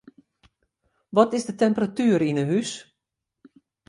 Wat is de temperatuer yn 'e hús?